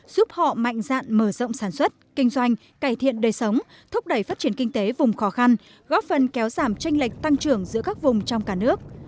giúp họ mạnh dạn mở rộng sản xuất kinh doanh cải thiện đời sống thúc đẩy phát triển kinh tế vùng khó khăn góp phần kéo giảm tranh lệch tăng trưởng giữa các vùng trong cả nước